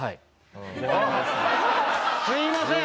すいません！